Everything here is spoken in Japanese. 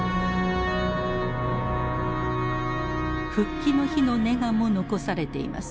復帰の日のネガも残されています。